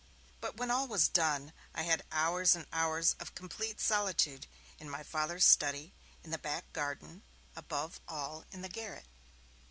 But when all was done, I had hours and hours of complete solitude, in my Father's study, in the back garden, above all in the garret.